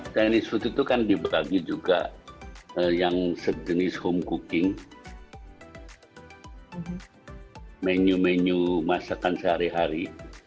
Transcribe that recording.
tenis food itu kan dibagi juga yang sejenis home cooking menu menu masakan sehari hari